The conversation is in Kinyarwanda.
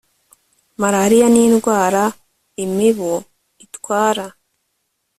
Malariya ni indwara imibu itwara